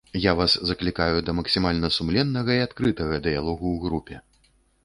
Я вас заклікаю да максімальна сумленнага і адкрытага дыялогу ў групе.